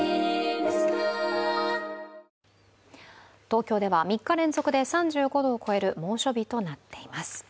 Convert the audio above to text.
東京では３日連続で３５度を超える猛暑日となっています。